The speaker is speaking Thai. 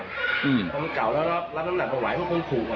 เขาเก่าร้านลำหนักบหวายเพื่องคูมอะไร